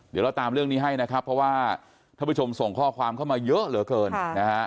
เดี๋ยวเราตามเรื่องนี้ให้นะครับเพราะว่าท่านผู้ชมส่งข้อความเข้ามาเยอะเหลือเกินนะฮะ